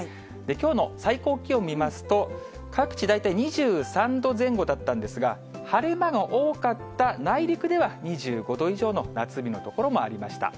きょうの最高気温見ますと、各地、大体２３度前後だったんですが、晴れ間の多かった内陸では、２５度以上の夏日の所もありました。